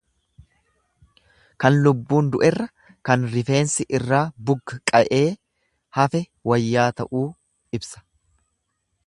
Kan lubbuun du'erra kan rifeensi irraa bugqa'ee hafe wayyaa ta'uu ibsa.